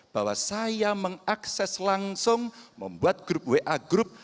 bahwa saya mengakses langsung membuat grup wa group